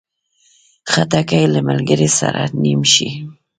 خټکی له ملګري سره نیم شي.